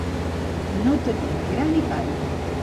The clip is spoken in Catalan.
No tenir ni gra ni palla.